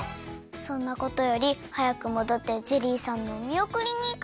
そんなことよりはやくもどってジェリーさんのおみおくりにいかなきゃ。